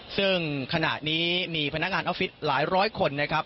ซึ่งขณะนี้มีพนักงานออฟฟิศหลายร้อยคนนะครับ